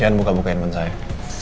jangan buka bukain manjain